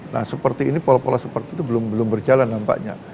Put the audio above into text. nah seperti ini pola pola seperti itu belum berjalan nampaknya